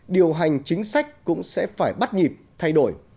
điều hành chính sách cũng sẽ phải bắt nhịp thay đổi